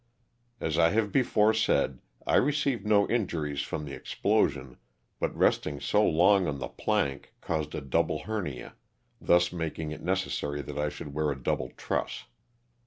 As I have before said I received no injuries from the explosion, but resting so long on the plank caused a double hernia, thus making it necessary that I should wear a double truss.